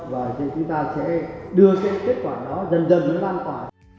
và thì chúng ta sẽ đưa cái kết quả đó dần dần nó lan tỏa